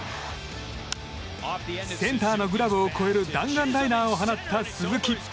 センターのグラブを越える弾丸ライナーを放った鈴木。